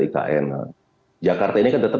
ikn jakarta ini kan tetap